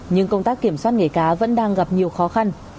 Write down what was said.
nhưng công tác kiểm soát nghề cá vẫn đang gặp nhiều khó khăn